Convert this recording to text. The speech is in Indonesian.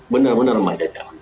benar benar mbak